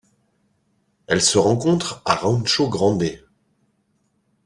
Elle se rencontre à Rancho Grande.